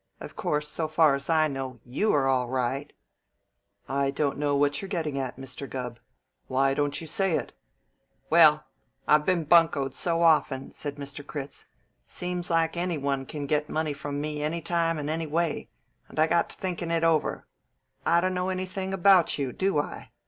Of course, so far as I know, you are all right " "I don't know what you're gettin' at," said Mr. Gubb. "Why don't you say it?" "Well, I been buncoed so often," said Mr. Critz. "Seem's like any one can get money from me any time and any way, and I got to thinkin' it over. I don't know anything about you, do I?